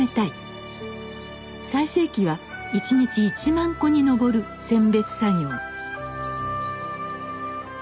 最盛期は一日１万個に上る選別作業。